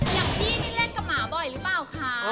อย่างพี่นี่เล่นกับหมาบ่อยหรือเปล่าคะ